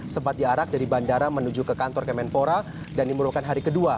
sempat diarak dari bandara menuju ke kantor kemenpora dan dimuruhkan hari kedua